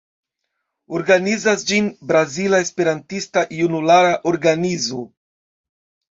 Organizas ĝin Brazila Esperantista Junulara Organizo.